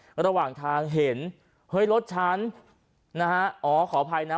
แล้วระหว่างทางเห็นรถฉันขออภัยนะ